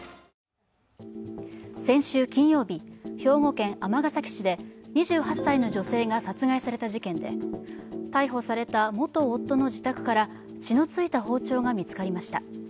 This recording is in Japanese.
先週金曜日、兵庫県尼崎市で２８歳の女性が殺害された事件で逮捕された元夫の自宅から血の付いた包丁が見つかりました。